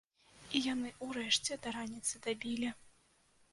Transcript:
І яны ўрэшце да раніцы дабілі.